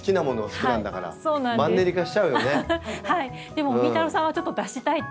でもみーたろうさんはちょっと脱したいっていう。